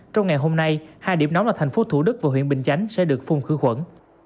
trong ngày hôm nay hai điểm nóng là thành phố thủ đức và huyện bình chánh sẽ được phun khử khuẩn